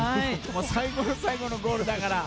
最後の最後のゴールだから。